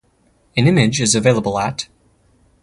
An image is available at.